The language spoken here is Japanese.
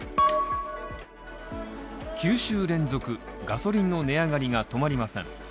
９週連続、ガソリンの値上がりが止まりません。